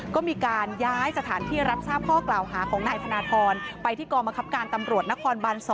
ก็มีการย้ายสถานที่รับทราบข้อกล่าวหาของนายธนทรไปที่กรมคับการตำรวจนครบัน๒